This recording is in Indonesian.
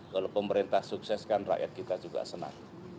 kalau pemerintah sukses kan rakyat kita juga senang